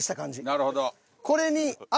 なるほど。